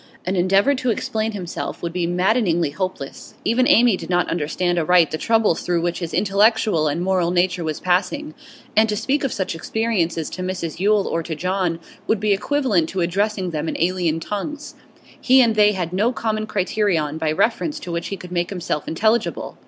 An endeavour to explain himself would be maddeningly hopeless; even Amy did not understand aright the troubles through which his intellectual and moral nature was passing, and to speak of such experiences to Mrs Yule or to John would be equivalent to addressing them in alien tongues; he and they had no common criterion by reference to which he could make himself intelligible.